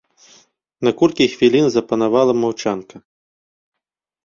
На колькі хвілін запанавала маўчанка.